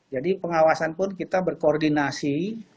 jadi pengawasan pun kita berkoordinasi